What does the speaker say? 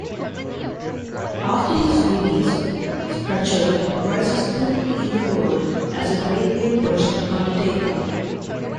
After his release, Scatcherd rises quickly in the world as a railway project undertaker.